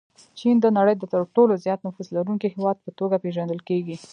چین د نړۍ د تر ټولو زیات نفوس لرونکي هېواد په توګه پېژندل کېږي.